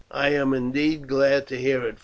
"I am indeed glad to hear it, Philo.